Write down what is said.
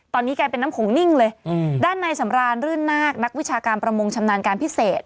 ตอนนี้กลายเป็นน้ำโขงนิ่งเลยอืมด้านในสำรานรื่นนาคนักวิชาการประมงชำนาญการพิเศษ